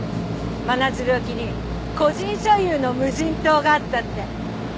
真鶴沖に個人所有の無人島があったって。